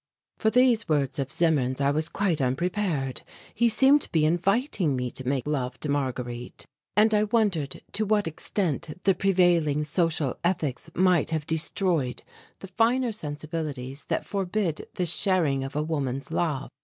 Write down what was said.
For these words of Zimmern's I was quite unprepared. He seemed to be inviting me to make love to Marguerite, and I wondered to what extent the prevailing social ethics might have destroyed the finer sensibilities that forbid the sharing of a woman's love.